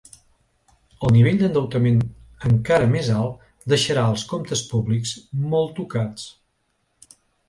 El nivell d’endeutament encara més alt deixarà els comptes públics molt tocats.